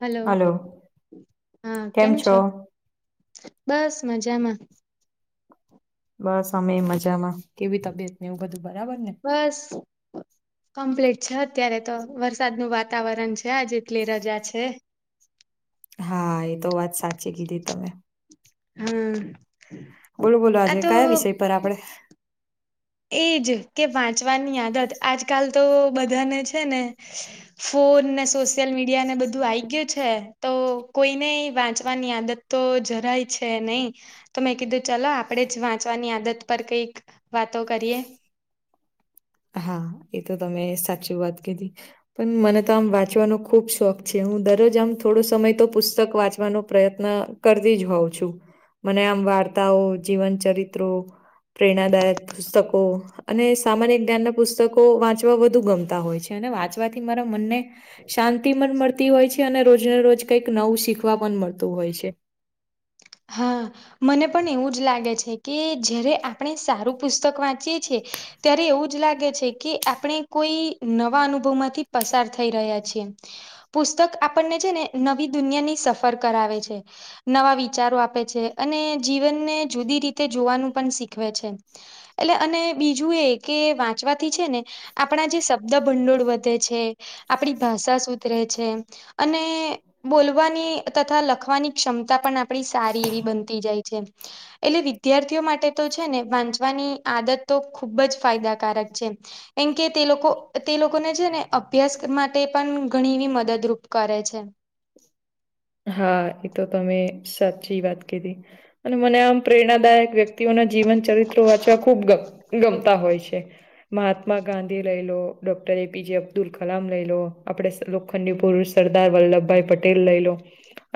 Hello હા કેમ છો બસ મજામાં બસ અમે મજામાં કેવી તબિયત ને એવું બધું બરાબર ને બસ કમ્પ્લીટ છે અત્યારે તો વરસાદ નુ વાતાવરણ છે આ જેટલી રજા છે હા એ તો વાત સાચી કીધી તમે હમ બોલું બોલો આજે કયા વિષય પર આપડે એજ કે વાંચવાની આદત આજકાલ તો બધાને છે ને ફોન ને સોશિયલ મીડિયા ને બધું આવી ગયું છે તો કોઈને વાંચવાની આદત તો જરાય છે નહી તો મેં કીધું ચલો આપણે જ વાંચવાની આદત પર કઈક વાતો કરીએ હા એ તો તમે સાચી વાત કીધી પણ મને તો આમ વાંચવાનો ખૂબ શોખ છે હું દરરોજ આમ થોડો સમય તો પુસ્તક વાંચવાનો પ્રયત્ન કરતી જ હોઉં છું મને આમ વાર્તાઓ જીવન ચરિત્રો પ્રેરણાદાયક પુસ્તકો અને સામાન્ય જ્ઞાનના પુસ્તકો વાંચવા વધુ ગમતા હોય છે અને વાંચવાથી મારા મનને શાંતિ પણ મળતી હોય છે અને રોજને રોજ કંઈક નવું શીખવા પણ મળતું હોય છે હા મને પણ એવું જ લાગે છે કે જય્યારે આપણે સારું પુસ્તક વાંચીએ છીએ ત્યારે એવું જ લાગે છે કે આપણે કોઈ નવા અનુભવ માંથી પસાર થઈ રહ્યા છીએ પુસ્તક આપણને છે ને નવી દુનિયાની સફર કરાવે છે નવા વિ ચારો આપે છે અને જીવનને જુદી રીતે જોવાનું પણ શીખવે છે એટલે અને બીજું એ કે વાંચવાથી છે ને આપણા જે શબ્દ ભંડોળ વધે છે આપણી ભાષા સુધરે છે અને બોલવાની તથા લખવાની ક્ષમતા પણ આપ આપડી સારી એવી બનતી જાય છે એટલે વિદ્યાર્થીઓ માટે તો છે ને વાંચવાની આદત તો ખુબ જ ફાયદાકારક છે. એમ કે તે લોકો તે લોકોને છે ને અભ્યાસ માટે પન ઘણી એવી મદદરૂપ કરે છે. હા એ તો તમે સાચી વાત કીધી અને મને આમ પ્રેરણાદાયક વ્ય. તિઓને જીવન ચરિત્રો વાંચવા ખૂબ ગ ગમતા હોય છે. મહાત્મા ગાંધી લઈ લો ડોક્ટર એપીજે અબ્દુલ કલામ લઈ લો આપડે સલો ખંડી પુરુષ સરદાર વલ્લભભાઈ પટેલ લઈ લો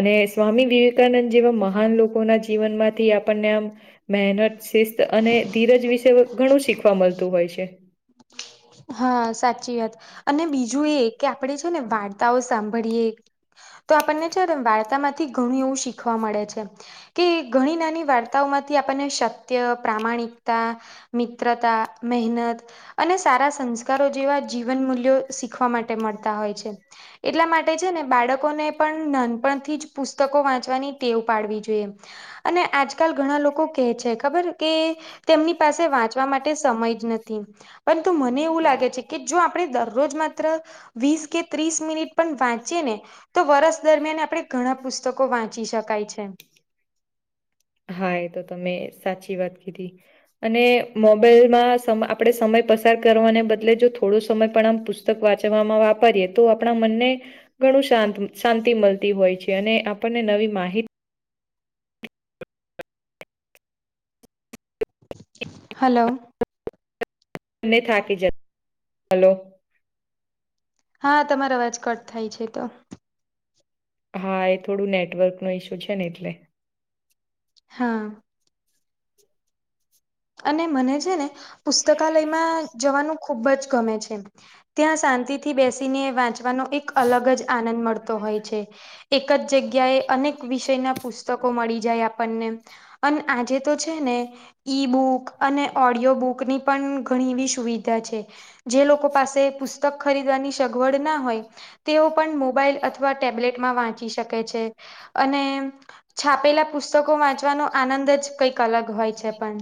અને સ્વામી વિવેકાનંદ જેવા મહાન લોકોના જીવનમાંથી આપન ને આમ મહેનત શિસ્ત અને ધીરજ વિશે ઘણું શીખવા મલતું હોય છે. હા સાચી વાત અને બીજું એ કે આપણે છે ને વાર્તાઓ સાંભળીએ તો આપન ને છે ને વાર્તા માંથી ઘણું એવું શીખવા મળે છે. કે ઘણી નાની વાર્તાઓમાંથી આપનને સત્ય પ્રામાણિકતા મિત્રતા મહેનત અને સારા સંસ્કારો જેવા જીવન મૂલ્યો શીખવા માટે મળતા હોય છે. એટલા માટે છે ને બાળકોને પન નાનપણથી જ પુસ્તકો વાંચવાની ટેવ પાડવી જોઈએ. અને આજકાલ ઘણા લોકો કેય છે ખબર કે તેમની પાસે વાંચવા માટે સમય જ નથી. પરંતુ મને એવું લાગે છે કે જો આપણે દરરોજ માત્ર વીસ કે ત્રીસ મિનિટ પણ વાંચીએ ને તો વરષ દરમિયાન આપણે ઘણાં પુસ્તકો વાંચી શકાય છે. હા એ તો તમે સાચી વાત કીધી. અને મોબાઈલમાં સમ આપણેે સમય પસાર કરવાને બદલે જો થોડો સમય પણ આમ પુસ પુસ્તક વાંચવામાં વાપરીએ તો આપણા મનને ઘણું શાંત શાંતિ મલતી હોય છે અને આપન ને નવી માહિતી હલો ને થાકી જત હલો હા તમારો અવાજ કટ થાય છે તો હા એ થોડું નેટવર્કનો ઈશ્યુ છે ને એટલે હા અને મને છે ને પુસ્તકાલયમાં જવાનું ખુબ જ ગમે છે ત્યાં શાંતિ થી બેસીને વાંચ વાનો એક અલગ જ આનંદ મળતો હોય છે. એક જ જગ્યાએ અનેક વિષયનાં પુસ્તકો મળી જાય આપનને અન આજે તો છે ને ઈ બુક અને ઓડિયો બુકની પન ઘણી એવી સુવિધા છે. જે લોકો પાસે પુસ્તક ખરીદવાની સગવડ ના હોય તેઓ પન મોબાઈલ અથવા ટેબ્લેટમાં વાંચી શકે છે અને છાપેલા પુસ્તકો વાંચવાનો આનંદ જ કંઈક અલગ હોય છે પણ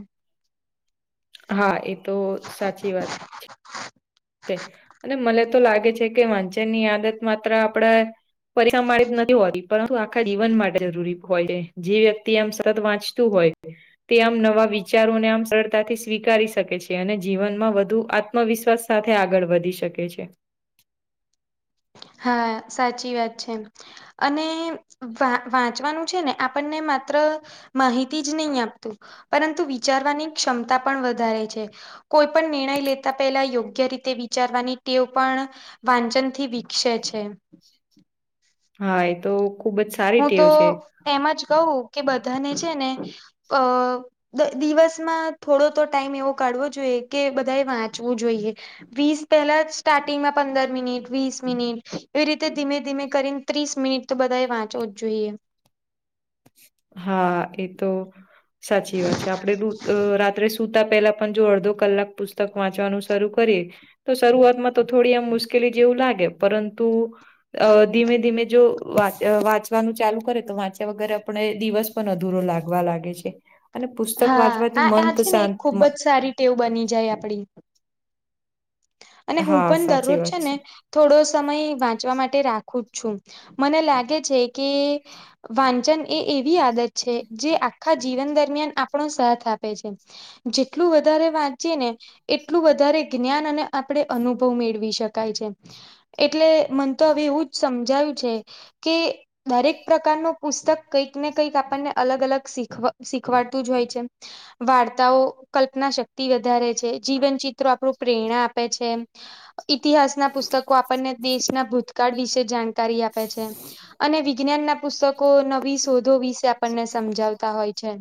હા એ તો સાચી વાત હા [unintelligible] છે અને મને તો લાગે છે કે વાંચનની આદત માત્ર આપડે પરીક્ષા માટે જ નથી હોતી પરંતુ આખા જીવન માટે જરૂરી હોય છે. જે વ્યક્તિ એમ સતત વાંચતું હોય. તે આમ નવા વિચારોને આમ સરળતાથી સ્વીકારી શકે છે અને જીવનમાં વધુ આત્મવિશ્વાસ સાથે આગળ વધી શકે છે. હા સાચી વાત છે. અને વા વાંચવાનું છે ને આપણ ને માત્ર માહિતી જ ની આપતું પરંતુ વિચારવાની ક્ષમતા પણ વધારે છે. કોઈ પણ નિર્ણય લેતા પેલા યોગ્ય રીતે વિચારવાની તેવ પણ વાંચન થી વી છે છે હા એ તો ખુબ જ સારી હું ટેવ તો છે એમાં જ કહું કે બધાને છે ને અ દિવસમાં થોડો તો ટાઈમ એવો કાઢવો જોઈએ કે બધાએ વાંચવું જોઈએ વીસ પહેલા સ્ટાર્ટિંગમાં પંદર મિનિટ વીસ મિનિટ એવી રીતે ધીમે ધીમે કરીને ત્રીસ મિનિટ તો બધાએ વાંચવ જ જોઈએ હા એ તો સાચી વાત છે આપડે રાત્રે સુતા પહેલા પણ જો અડધો કલાક પણ પુસ્તક વાંચવાનું શરૂ કરીએ તો શરૂઆતમાં તો થોડી આમ મુશ્કેલ મુશ્કેલી જેવું લાગે પરંતુ અ ધીમે ધીમે જો વા વાંચવાનું ચાલુ કરે તો વાંચ્યા વગરે આપણે દિવસ પણ અધૂરો લાગવા લાગે છે. અને પુસ્તક હા વાંચવાથી આ મન આ તો છે ને એક શાંત ખુબ મ- જ સારી ટેવ બની જાય આપડી. અને હું હા પણ સાચી દરરોજ છે વાત ને થોડો સમય વાંચવા માટે રાખું જ છું મને લાગે છે કે વાંચન એ એવી આદત છે જે આખા જીવન દરમિયાન આપણો સાથ આપે છે. જેટલું વધારે વાંચયે ને એટલું વધારે જ્ઞાન અને આપણે અનુભવ મેળવી શકાય છે એટલે મને તો હવે એવું જ સમજાય છે કે દરેક પ્રકાર નું પુસ્તક કંઈક ને કંઈક આપણને અલગ અલગ શીખ શીખવાડતું જ હોય છે. વાર્તાઓ કલ્પના શક્તિ વધારે છે, જીવન ચિત્રો આપણું પ્રેરણા આપે છે. ઇતિહાસના પુસ્તકો આપણને દેશના ભૂતકાળ વિશે જાણકારી આપે છે. અને વિજ્ઞાન ના પુસ્તકો નવી શોધો વિશે આપણને સમજાવતા હોય છે.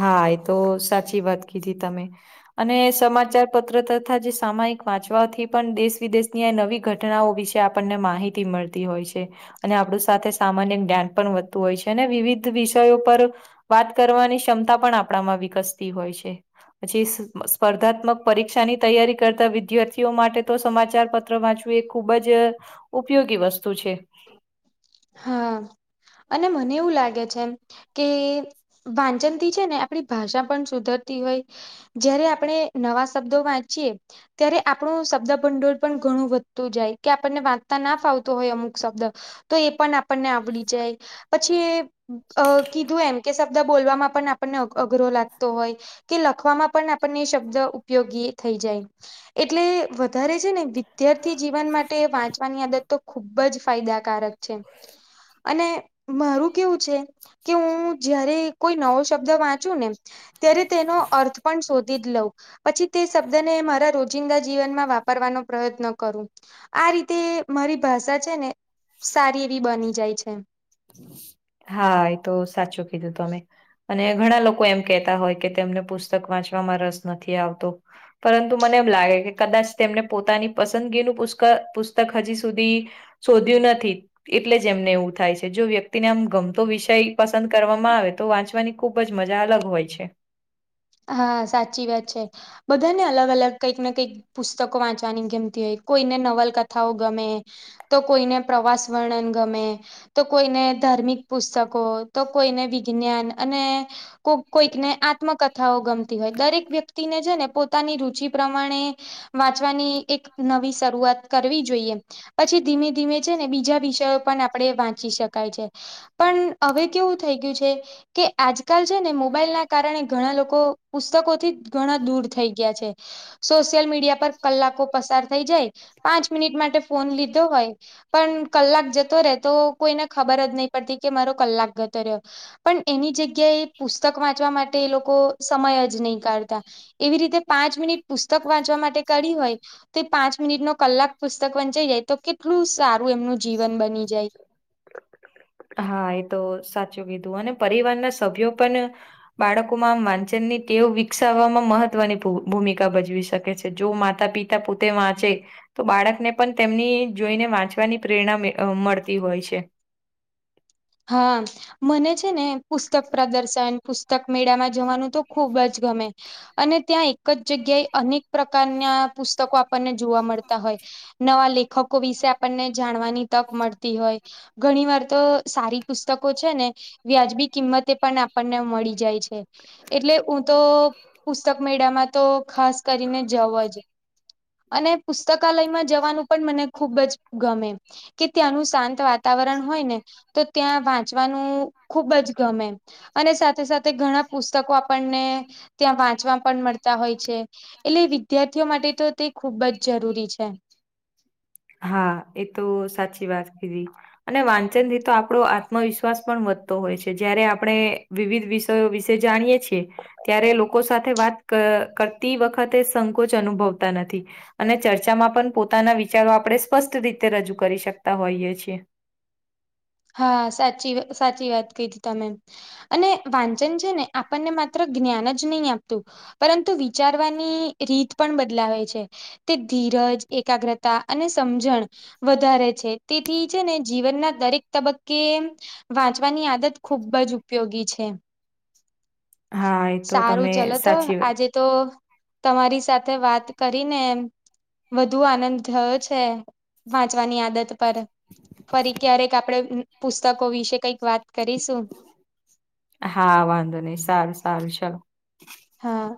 હા એ તો સાચી વાત કીધી તમે. અને સમાચાર પત્ર તથા જે સામાયિક વાંચવાથી પણ દેશ વિદેશ ની આ નવી ઘટ ઘટનાઓ વિશે આપણને માહિતી મળતી હોય છે. અને આપણું સાથે સામાન્ય જ્ઞાન પણ વધતું હોય છે અને વિવિધ વિષયો પર વાત કરવાની ક્ષમતા પણ આપણામાં વિકસતી હોય છે. પછી એ સ સ્પર્ધાત્મક પરીક્ષાની તૈયારી કરતા વિદ્યાર્થીઓ માટે તો સમાચાર પત્ર વાંચવું એ ખુબ જ ઉપયોગી વસ્તુ છે. હા અને મને એવું લાગે છે કે વાંચનથી છે ને આપણી ભાષા પણ સુધરતી હોય જયારે આપણે નવા શબ્દો વાંચીએ ત્યારે આપણું શબ્દ ભંડોળ પણ ઘણું વધતું જાય કે આપણને વાંચતા ના ફાવતું હોય અમુક શબ્દ તો એ પણ આપણને આવડી જાય પછી કીધું એમ કે શબ્દ બોલવામાં પણ આપણને અઘરો લાગતો હોય. કે લખવામાં પણ આપણને શબ્દ ઉપયોગી થઈ જાય. એટલે વધારે છે ને વિદ્યાર્થી જીવન માટે વાંચવાની આદત તો ખુબ જ ફાયદાકારક છે અને મારું કેવું છે કે હું જયારે કોઈ નવો શબ્દ વાંચુ ને ત્યારે તેનો અર્થ પણ શોધી જ લઉં. પછી તે શબ્દને મારા રોજિંદા જીવનમાં વાપરવાનો પ્રયત્ન કરું. આ રીતે મારી ભાષા છે ને સારી એવી બની જાય છે. હા એ તો સાચું કીધું તમે. અને ઘણા લોકો એમ કેહેતા હોય કે તેમને પુસ્તક વાંચવામાં રસ નથી આવતો. પરંતુ મને એમ લાગે કે કદાચ તેમને પોતાની પસંદગીનું પુસક પુસ્તક હજી સુધી શોધ્યું નથી એટલે જ એમને એવું થાય છે. જો વ્યક્તિ ને આમ ગમતો વિષય પસંદ કરવામાં આવે તો વાંચવાની ખુબ જ મજા અલગ હોય છે. હા સાચી વાત છે બધાને અલગ અલગ કંઈક ને કંઈક પુસ્તકો વાંચવાની ગમતી હોય, કોઈને નવલકથાઓ ગમે. તો કોઈને પ્રવાસ વર્ણન ગમે. તો કોઈને ધાર્મિક પુસ્તકો, તો કોઈને વિજ્ઞાન અને કો કોઈકને આત્મકથા કથાઓ ગમતી હોય દરેક વ્યક્તિને છે ને પોતાની રુચિ પ્રમાણે વાંચવાની એક નવી શરૂઆત કરવી જોઈએ પછી ધીમે ધીમે છે ને બીજા વિષયો પણ આપડે વાંચી શકાય છે પણ હવે કેવું થઈ ગયું છે કે આજકાલ છે ને મોબાઈલ ના કારણે ઘણા લોકો પુસ્તકો થી ઘણા દૂર થઈ ગયા છે સોશિયલ મીડિયા પર કલાકો પસાર થઈ જાય પાંચ મિનિટ માટે ફોન લીધો હોય પણ કલાક જતો રહેે તો કોઈને ખબર જ નહી પડતી કે મારો કલાક જતો રહ્યો પણ એની જગ્યાએ પુસ્તક વાંચવા માટે એ લોકો સમય જ નહીં કાઢતા એવી રીતે પાંચ મિનિટ પુસ્તક વાંચવા માટે કરી હોય તે પાંચ મિનિટ નો કલાક પુસ્તક વંચાઈ જાય તો કેટલું સારું એમનું જીવન બની જાય [inaudible] હા એ તો સાચું કીધું અને પરિવારના સભ્યો પણ બાળકોમાં આમ વાંચન ની ટેવ વિકસાવવામાં મહત્વની ભૂમિકા ભજવી શકે છે જો માતા પિતા પોતે વાંચે તો બાળકને પણ તેમની જોઈને વાંચવાની પ્રેરણા મળતી હોય છે હા મને છે ને પુસ્તક પ્રદર્શન પુસ્તક મેળામાં જવાનું તો ખુબ જ ગમે અને ત્યાં એક જ જગ્યાએ અનેક પ્રકારના પુસ્તકો આપણને જોવા મળતા હોય નવા લેખકો વિશે આપણને જાણવાની તક મળતી હોય ઘણી વાર તો સારી પુસ્તકો છે ને વ્યાજબી કિંમતે પણ આપણને મળી જાય છે એટલે હું તો પુસ્તક મેળામાં તો ખાસ કરીને જઉ જ અને પુસ્તકાલયમાં જવાનું પણ મને ખુબ જ ગમે કે ત્યાંનું શાંત વાતાવરણ હોય ને તો ત્યાં વાંચવાનું ખુબ જ ગમે અને સાથે સાથે ઘણા પુસ્તકો આપણને ત્યાં વાંચવા પણ મળતા હોય છે એટલે વિદ્યાર્થીઓ માટે તો તે ખુબ જ જરૂરી છે હા એ તો સાચી વાત કી ધી અને વાંચન થી તો આપણો આત્મવિશ્વાસ પણ વધતો હોય છે જયારે આપણે વિવિધ વિષયો વિશે જાણીએ છીએ ત્યારે લોકો સાથે વાત કરતી વખતે સંકોચ અનુભવતા નથી અને ચર્ચામાં પણ પોતાના વિચારો આપણે સ્પષ્ટ રીતે રજૂ કરી શકતા હોઈએ છીએ હા સાચી સાચી વાત કિધી તમે અને વાંચન છે ને આપણને માત્ર જ્ઞાન જ નહીં આપતું પરંતુ વિચારવાની રીત પણ બદલાવે છે તે ધીરજ એકાગ્રતા અને સમજણ વધારે છે તેથી છે ને જીવનના દરેક તબક્કે વાંચવાની આદત ખુબ જ ઉપયોગી છે હા એ તો સારું તમે ચલો તો સાચી વાત આજે તો તમારી સાથે વાત કરીને વધુ આનંદ થયો છે વાંચવાની આદત પર ફરી ક્યારેક આપણેે પુસ્તકો વિશે કઈક વાત કરીશું હા વાંધો નહીસારું સારું ચલો હા